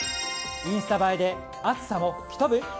インスタ映えで暑さも吹き飛ぶ？